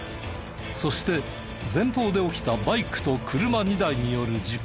そして前方で起きたバイクと車２台による事故。